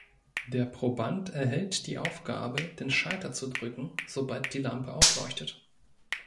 Der Proband erhält die Aufgabe, den Schalter zu drücken, sobald die Lampe aufleuchtet.